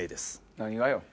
何がよ？